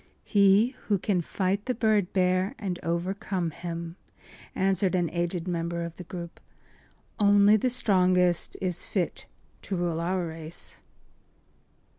“He who can fight the bird bear and overcome him,” answered an aged member of the group. “Only the strongest is fit to rule our race.